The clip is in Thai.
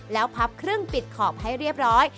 แล้วพับครึ่งปิดขอบให้เรียบร้อย